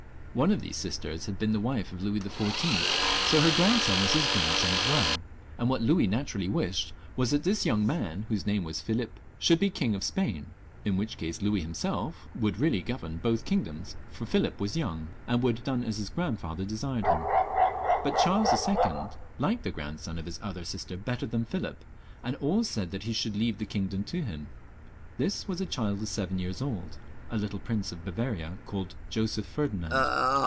One of these listers had been the wife of Louis XIV., so her grandson was his grandson as well, and what Louis natur ally wished was that this young man, whose name was Philip, should be King of Spain, in which case Louis him self would really govern both kingdoms, for Philip was young, and would have done as his grandfather desired him. But Charles 11. liked the grandson of his other sister better than Philip, and always said he should leave the kingdom to him. This was a child of seven years old, a little prince of Bavaria, called Joseph Ferdinand.